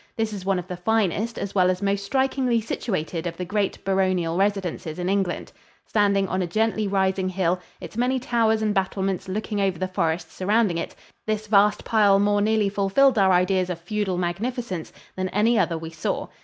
This is one of the finest as well as most strikingly situated of the great baronial residences in England. Standing on a gently rising hill, its many towers and battlements looking over the forests surrounding it, this vast pile more nearly fulfilled our ideas of feudal magnificence than any other we saw.